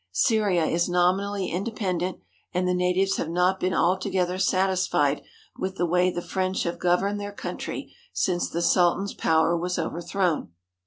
Syria is nominally inde pendent, and the natives have not been altogether satis fied with the way the French have governed their country since the Sultan's power was overthrown.